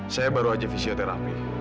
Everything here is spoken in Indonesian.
saya baru aja fisioterapi